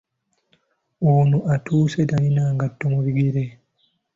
Ono atuuse talina ngatto mu bigere.